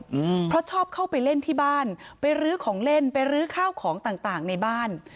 อืมเพราะชอบเข้าไปเล่นที่บ้านไปรื้อของเล่นไปรื้อข้าวของต่างต่างในบ้าน